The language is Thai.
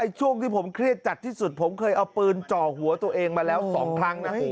ช่วงที่ผมเครียดจัดที่สุดผมเคยเอาปืนจ่อหัวตัวเองมาแล้ว๒ครั้งนะ